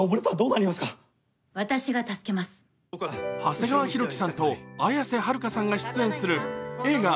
長谷川博己さんと綾瀬はるかさんが出演する映画